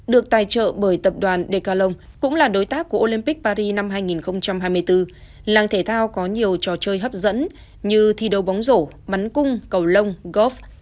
được tài trợ bởi tập đoàn dklong cũng là đối tác của olympic paris năm hai nghìn hai mươi bốn làng thể thao có nhiều trò chơi hấp dẫn như thi đấu bóng rổ bắn cung cầu lông golf